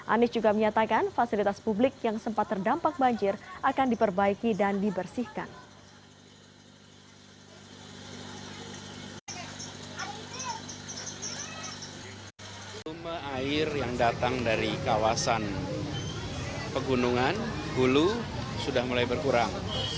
anies juga menyatakan fasilitas publik yang sempat terdampak banjir akan diperbaiki dan dibersihkan